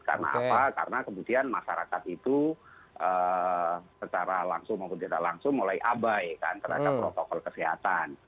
karena apa karena kemudian masyarakat itu secara langsung mulai abai terhadap protokol kesehatan